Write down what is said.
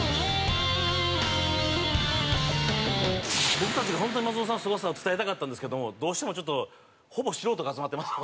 僕たちで本当に松本さんのすごさを伝えたかったんですけどどうしてもちょっとほぼ素人が集まってますので。